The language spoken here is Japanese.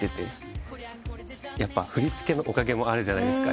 やっぱ振り付けのおかげもあるじゃないですか。